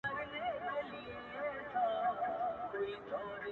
د څو شېبو بیداري او هوښیاري ده -